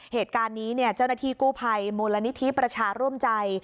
เหตุการณ์นี้เจ้าหน้าที่กู้ภัยมูลนิธิประชาร่วมใจ